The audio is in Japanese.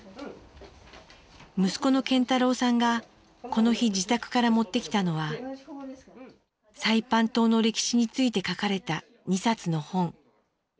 息子の健太郎さんがこの日自宅から持ってきたのはサイパン島の歴史について書かれた２冊の本。